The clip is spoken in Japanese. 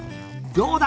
どうだ？